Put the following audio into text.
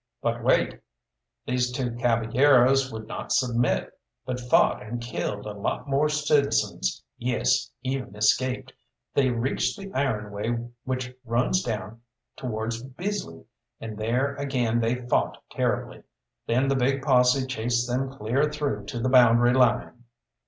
"But wait. These two caballeros would not submit, but fought and killed a lot more citizens; yes, even escaped. They reached the iron way which runs down towards Bisley, and there again they fought terribly. Then the big posse chased them clear through to the boundary line."